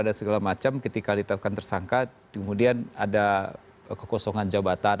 ada segala macam ketika ditetapkan tersangka kemudian ada kekosongan jabatan